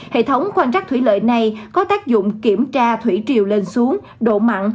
hệ thống quan trắc thủy lợi này có tác dụng kiểm tra thủy triều lên xuống độ mặn